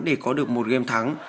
để có được một game thắng